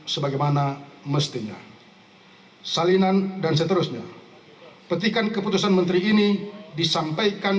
sebagaimana mestinya salinan dan seterusnya petikan keputusan menteri ini disampaikan